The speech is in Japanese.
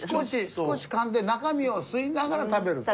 少し噛んで中身を吸いながら食べると？